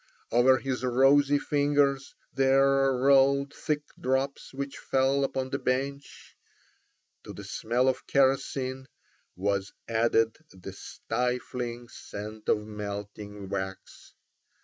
Over his rosy fingers there rolled thick drops which fell upon the bench. To the smell of kerosene was added the stifling scent of melting wax.